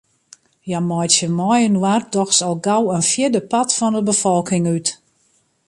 Hja meitsje mei-inoar dochs al gau in fjirdepart fan 'e befolking út.